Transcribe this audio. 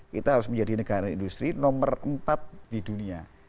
kita harus menjadi negara industri nomor empat di dunia